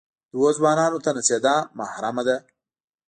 دوو ځوانان ته نڅېدا محرمه ده.